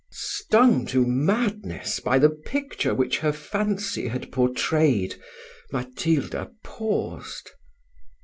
Stung to madness by the picture which her fancy had portrayed, Matilda paused.